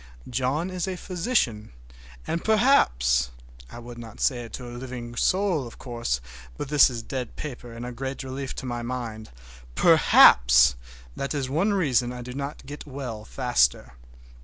John is a physician, and perhaps—(I would not say it to a living soul, of course, but this is dead paper and a great relief to my mind)—perhaps that is one reason I do not get well faster.